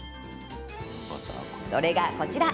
それが、こちら！